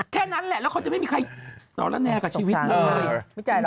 แค่นั้นแหละแล้วเขาจะไม่มีใครสอนแน่กับชีวิตเลย